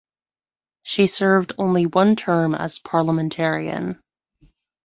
She served only one term as parliamentarian.